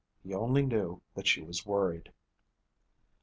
He only knew that she was worried.